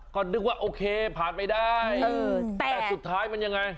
ก็นึกว่าโอเคผ่านไปได้แต่สุดท้ายมันยังไง